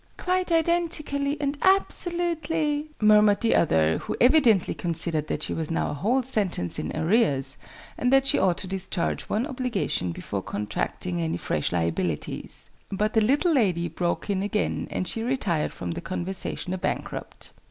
"Quite identically and absolutely " murmured the other, who evidently considered that she was now a whole sentence in arrears, and that she ought to discharge one obligation before contracting any fresh liabilities; but the little lady broke in again, and she retired from the conversation a bankrupt.